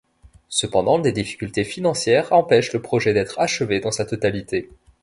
Cependant, des difficultés financières empêchent le projet d'être achevé dans sa totalité.